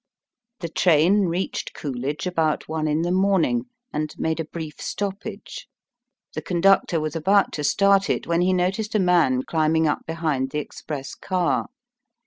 The train reached Coolidge about one in the morning, and made a brief stoppage. The conductor was about to start it when he noticed a man climbing up behind the express car.